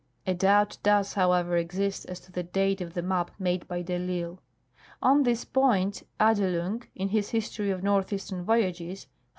A doubt does, however, exist as to the date of the mai3 made by de I'Isle. On this point Adelung, in his " Histor}^ of Northeastern Voyages."